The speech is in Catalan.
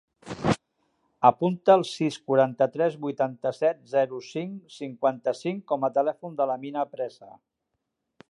Apunta el sis, quaranta-tres, vuitanta-set, zero, cinc, cinquanta-cinc com a telèfon de l'Amina Presa.